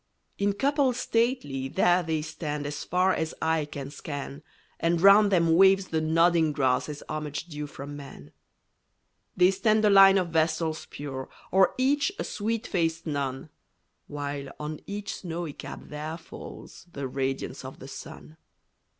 In couples stately, there they stand As far as eye can scan, And round them waves the nodding grass As homage due from man. They stand a line of vestals pure, Or each a sweet faced nun; While on each snowy cap there falls The radiance of the sun.